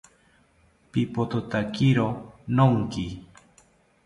Pipothotakiri nonki